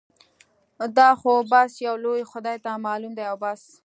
دا خو بس يو لوی خدای ته معلوم دي او بس.